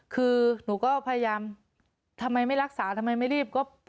คือหนูก็พยายามทำไมไม่รักษาทำไมไม่รีบก็